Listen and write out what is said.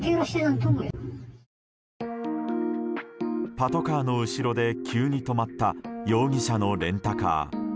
パトカーの後ろで急に止まった容疑者のレンタカー。